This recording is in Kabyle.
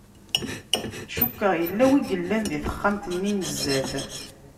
Cukkeɣ yella win i yellan di texxamt-nni n zdat.